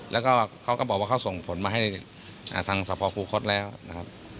แล้วก็เขาก็บอกว่าเขาส่งผลมาให้ทางสภคูคศแล้วนะครับ